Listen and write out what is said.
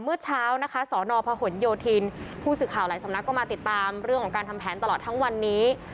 เมื่อเช้านะคะสนพหนโยธินผู้สื่อข่าวหลายสำนักก็มาติดตามเรื่องของการทำแผนตลอดทั้งวันนี้